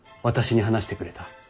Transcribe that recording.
私に話してくれた。